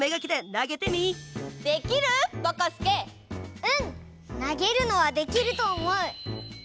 なげるのはできるとおもう！